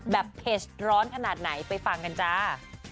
แบบเพจร้อนขนาดไหนไปฟังกันจ้า